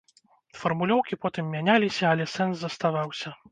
Фармулёўкі потым мяняліся, але сэнс заставаўся.